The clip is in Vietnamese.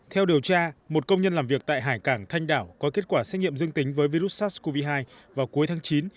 theo điều tra một công nhân làm việc tại hải cảng thanh đảo có kết quả xét nghiệm dương tính với virus sars cov hai vào cuối tháng chín